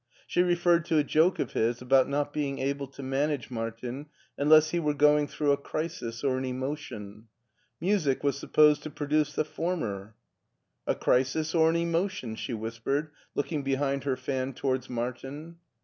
She referred to a joke of his about not being able to manage Martin unless he were going through a crisis or an emotion. Music was supposed to produce the former. " A crisis or an emotion ?'* she whispered, looking behind her fan towards Martin.